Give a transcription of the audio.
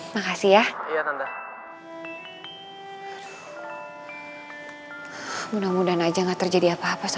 makan ya lo jangan ngelamanin kita